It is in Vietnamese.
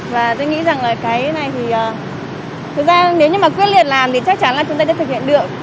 và tôi nghĩ rằng là cái này thì thực ra nếu như mà quyết liệt làm thì chắc chắn là chúng ta sẽ thực hiện được